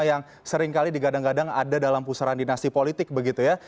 yang seringkali digadang gadang ada dalam pusaran dinasti politik begitu ya